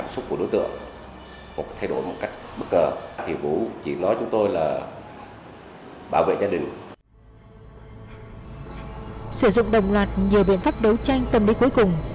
sử dụng đồng loạt nhiều biện pháp đấu tranh tâm lý cuối cùng